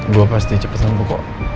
gue pasti cepet nunggu kok